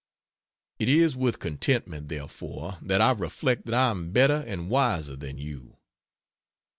It is with contentment, therefore, that I reflect that I am better and wiser than you.